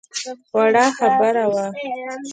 وړه خبره وه.